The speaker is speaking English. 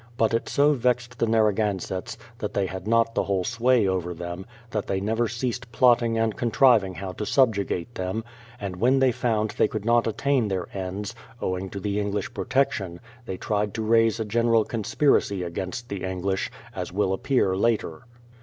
But it so vexed the Narragansetts, that they had not the whole sway over them, that they never ceased plotting and contriving how to subjugate them; and when they found they could not attain their ends, owing to English protection, they tried to raise a general conspiracy against the English, as will appear later.